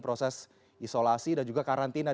proses isolasi dan juga karantina